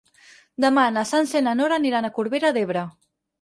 Demà na Sança i na Nora aniran a Corbera d'Ebre.